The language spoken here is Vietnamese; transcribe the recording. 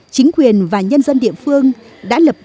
chính quyền và nhân dân địa phương đã lập